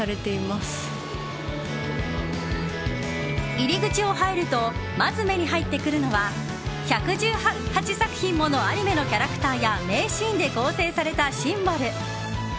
入り口を入るとまず目に入ってくるのは１１８作品ものアニメのキャラクターや名シーンで構成されたシンボル。